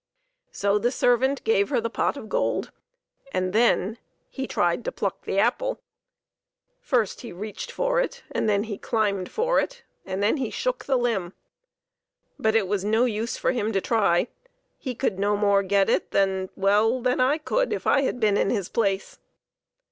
So the servant gave her the pot of gold, and then he tried to pluck the apple. First he reached for it, and then he climbed for it, and then he shook the limb. But it was no use for him to try ; he could no more get it well than / could if I had been in his place.